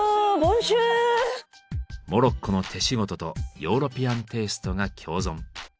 モロッコの手仕事とヨーロピアンテイストが共存。